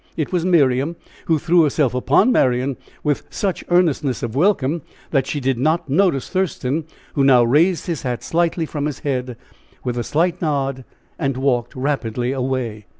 It was Miriam, who threw herself upon Marian with such earnestness of welcome that she did not notice Thurston, who now raised his hat slightly from his head, with a slight nod, and walked rapidly away.